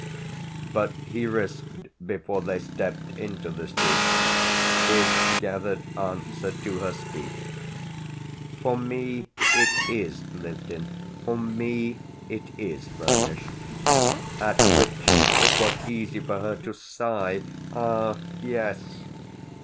But he risked before they stepped into the street his gathered answer to her speech. "For me it is lived in. For me it is furnished." At which it was easy for her to sigh "Ah yes!"